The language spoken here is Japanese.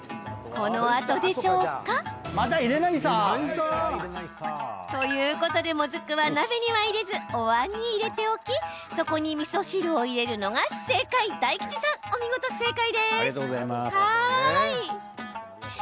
このあとでしょうか？ということはもずくは鍋には入れずおわんに入れておきそこにみそ汁を入れるのが正解。